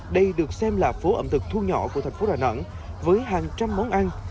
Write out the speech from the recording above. đây được xem là phố ẩm thực thu nhỏ của thành phố đà nẵng với hàng trăm món ăn